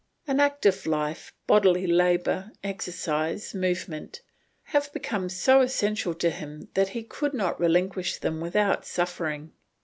An active life, bodily labour, exercise, movement, have become so essential to him that he could not relinquish them without suffering.